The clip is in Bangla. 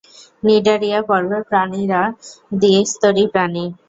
নিডারিয়া পর্বের প্রাণীরা দ্বিস্তরী প্রাণী।